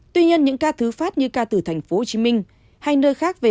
tuy nhiên những ca thứ phát như ca từ thành phố hồ chí minh hay nơi khác về